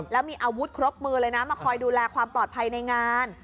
แล้วมีอาวุธครบมือเลยนะมาคอยดูแลความปลอดภัยในงาน